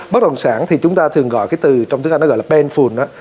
bất đồng sản thì chúng ta thường gọi cái từ trong tiếng anh nó gọi là painful đó